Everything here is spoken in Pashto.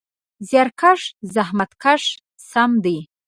زیارکښ: زحمت کښ سم دی.